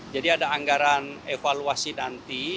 jadi ada anggaran evaluasi nanti